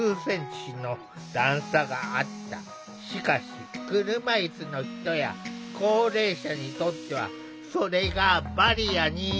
しかし車いすの人や高齢者にとってはそれがバリアに。